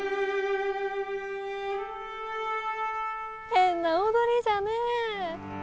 変な踊りじゃねえ！